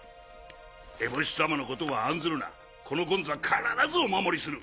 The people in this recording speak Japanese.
エボシ様のことは案ずるなこのゴンザ必ずお守りする。